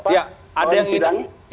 ya ada yang ingin